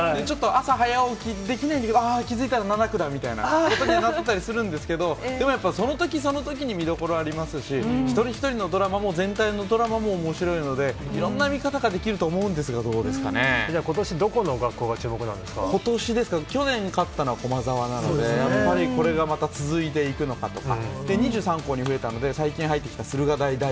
ちょっと朝早起きできないんで、気付いたら７区だみたいな、なったりするんですけど、でもやっぱ、そのときそのときに見どころありますし、一人一人のドラマも、全体のドラマもおもしろいので、いろんな見方ができると思うことし、どこの学校が注目なことしですか、去年勝ったのは駒沢なので、やっぱりこれがまた続いていくのかとか。